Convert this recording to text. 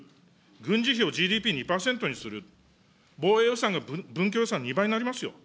軍事費をＧＤＰ２％にする、防衛予算が文教予算の２倍になりますよ。